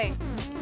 ya ampun shin